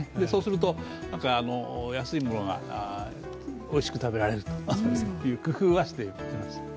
そうすると、安いものがおいしく食べられるという工夫はしています。